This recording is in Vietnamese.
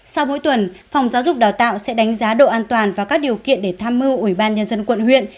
sau mỗi tuần phòng giáo dục đào tạo sẽ đánh giá độ an toàn và các điều kiện để tham mưu ủy ban nhân dân quận huyện